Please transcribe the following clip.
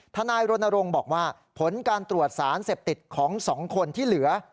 ทนายรณรงค์บอกว่าผลการตรวจสารเสพติดของ๒คนที่เหลือ